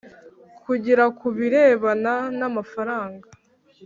kugira ku birebana n amafaranga